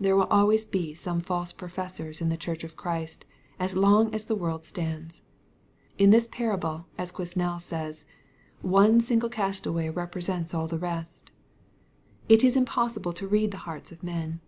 There will always be some false professors in the Church of Christ, as long as the world stands.^ In this parable, as Quesnel says, " One single casEaway represents all the rest." It is impossible to read the hearts of men.